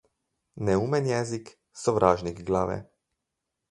Neumen jezik - sovražnik glave.